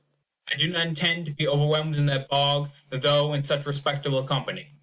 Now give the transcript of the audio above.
" I do not intend to be overwhelmed in that bog, though in such respectable company.